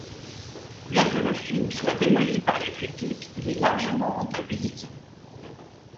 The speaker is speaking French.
Bien que le film soit démoli par les critiques, il est largement rentabilisé.